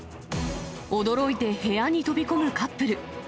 驚いて部屋に飛び込むカップル。